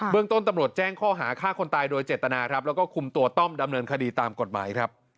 เรื่องต้นตำรวจแจ้งข้อหาฆ่าคนตายโดยเจตนาครับแล้วก็คุมตัวต้อมดำเนินคดีตามกฎหมายครับ